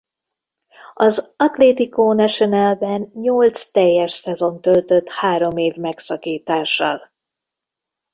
Az Atlético Nacionalban nyolc teljes szezont töltött három év megszakítással.